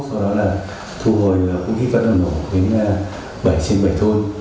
sau đó là thu hồi vũ khí vật nổ nổ đến bảy trên bảy thôn